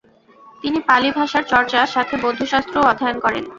তিনি পালি ভাষার চর্চার সাথে বৌদ্ধশাস্ত্রও অধ্যয়ন করেন।